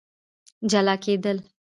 جلا کېدل